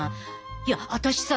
いや私さ